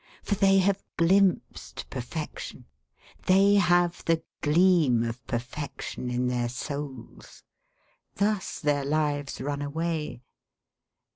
For they have glimpsed perfection; they have the gleam of perfection in their souls. Thus their lives run away.